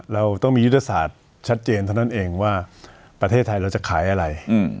เราต้องมียุทธศาสตร์ชัดเจนเท่านั้นเองว่าประเทศไทยเราจะขายอะไร